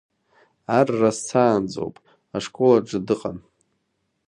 Арра сцаанӡоуп, ашкол аҿы дыҟан.